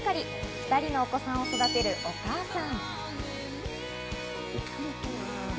２人のお子さんを育てるお母さん。